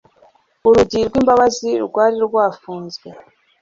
urugi rw'imbabazi rwari rwafunzwe.'”